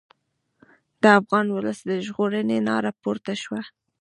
د افغان ولس د ژغورنې ناره پورته شوه.